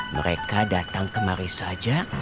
mereka datang kemari saja